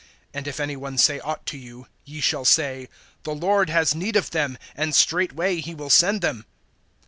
(3)And if any one say aught to you, ye shall say: The Lord has need of them; and straightway he will send them.